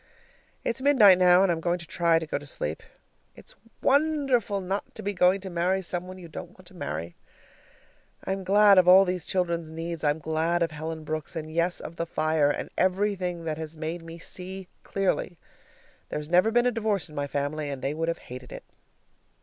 It's midnight now, and I'm going to try to go to sleep. It's wonderful not to be going to marry some one you don't want to marry. I'm glad of all these children's needs, I'm glad of Helen Brooks, and, yes, of the fire, and everything that has made me see clearly. There's never been a divorce in my family, and they would have hated it.